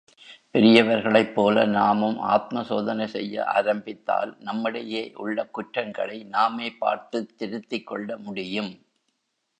பெரியவர்களைப் போல நாமும் ஆத்மசோதனை செய்ய ஆரம்பித்தால் நம்மிடையே உள்ள குற்றங்களை நாமே பார்த்துத் திருத்திக் கொள்ள முடியும்.